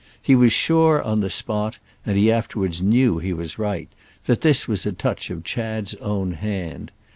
He was sure on the spot—and he afterwards knew he was right—that this was a touch of Chad's own hand.